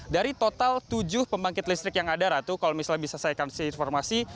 dari total tujuh pembangkit listrik yang ada ratu kalau misalnya bisa saya kasih informasi